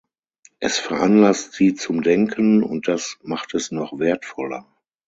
Es veranlasst Sie zum Denken, und das macht es noch wertvoller.